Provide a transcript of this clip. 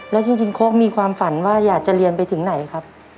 แล้วจริงโค้กมีความฝันว่าอยากจะเรียนไปถึงไหนครับ